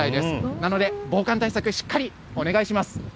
なので防寒対策、しっかりお願いします。